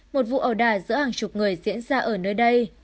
một vụ ẩu đả giữa hàng chục người diễn ra ở nơi đây